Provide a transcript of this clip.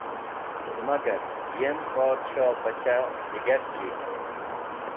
Magar, yem podshohbach digar chiz.